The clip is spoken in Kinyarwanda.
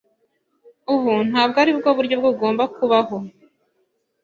Ubu ntabwo aribwo buryo bugomba kubaho.